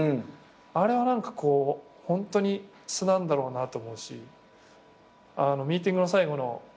あれは何かホントに素なんだろうなと思うしミーティングの最後の「昼食行きましょう」